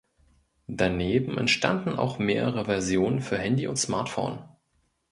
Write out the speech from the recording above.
Daneben entstanden auch mehrere Versionen für Handy und Smartphone.